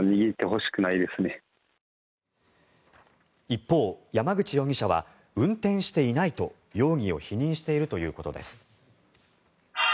一方、山口容疑者は運転していないと容疑を否認しているということです。